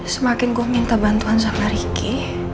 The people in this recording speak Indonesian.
semakin gue minta bantuan sama ricky